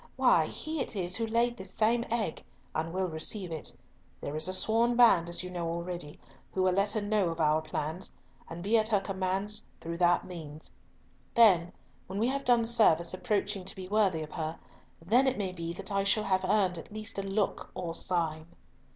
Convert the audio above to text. Why, he it is who laid this same egg, and will receive it. There is a sworn band, as you know already, who will let her know our plans, and be at her commands through that means. Then, when we have done service approaching to be worthy of her, then it may be that I shall have earned at least a look or sign."